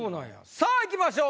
さあいきましょう。